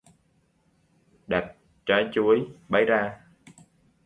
Đạp trái chuối bấy ra